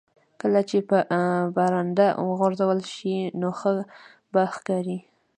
کله چې په برنډه وځړول شي نو ښه به ښکاري